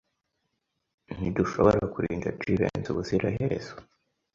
Ntidushobora kurinda Jivency ubuziraherezo.